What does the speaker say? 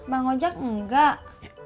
bang ojak enggak